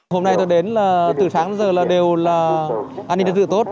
hôm nay tôi đến là từ sáng đến giờ là đều là an ninh tự tốt